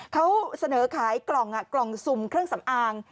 เขาเสนอขายกล่องสุ่มเครื่องสำอาง